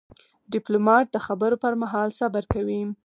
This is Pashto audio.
ډيپلومات د خبرو پر مهال صبر کوي.